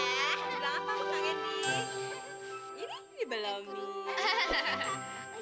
kenapa kamu kakek ini ini ini belum nih